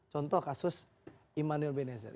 contoh kasus immanuel benazir